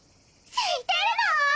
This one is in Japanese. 知ってるの？